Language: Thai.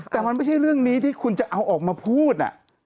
แต่มันไม่ใช่เรื่องนี้ที่คุณจะเอาออกมาพูด